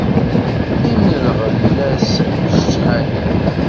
Imi lɣella-s d cḥani.